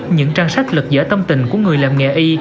những trang sách lực dở tâm tình của người làm nghề y